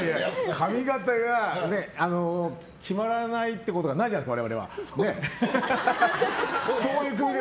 髪形が決まらないってことがないじゃないですか